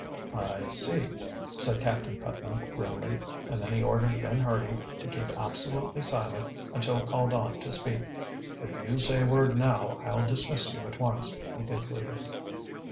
"I see," said Captain Putnam grimly, and then he ordered Ben Hurdy to keep absolutely silent until called on to speak. "If you say a word now I'll dismiss you at once," he concluded.